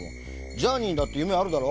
ジャーニーだってゆめあるだろ？